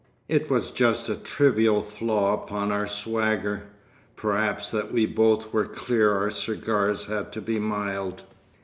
It was just a trivial flaw upon our swagger, perhaps that we both were clear our cigars had to be "mild."